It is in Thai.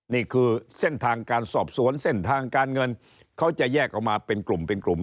นี่คือเส้นทางการสอบสวนเส้นทางการเงินเขาจะแยกออกมาเป็นกลุ่มเป็นกลุ่ม